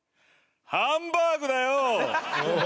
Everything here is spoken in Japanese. ハンバーグだよ！